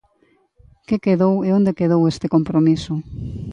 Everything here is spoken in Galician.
¿Que quedou e onde quedou este compromiso?